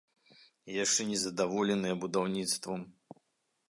І яшчэ незадаволеныя будаўніцтвам!